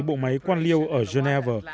bộ máy quan liêu ở geneva